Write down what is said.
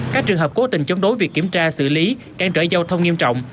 các trường hợp cố tình chống đối việc kiểm tra xử lý cản trở giao thông nghiêm trọng